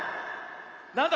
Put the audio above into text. なんだ